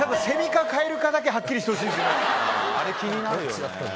あれ気になるよね。